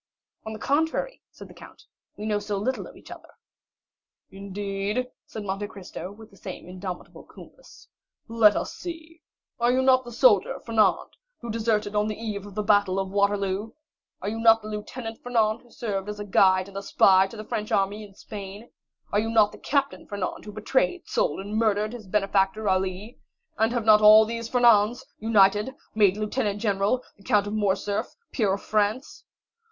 "On the contrary," said the count, "we know so little of each other." "Indeed?" said Monte Cristo, with the same indomitable coolness; "let us see. Are you not the soldier Fernand who deserted on the eve of the battle of Waterloo? Are you not the Lieutenant Fernand who served as guide and spy to the French army in Spain? Are you not the Captain Fernand who betrayed, sold, and murdered his benefactor, Ali? And have not all these Fernands, united, made Lieutenant General, the Count of Morcerf, peer of France?"